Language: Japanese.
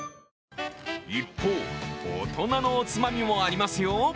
一方、大人のおつまみもありますよ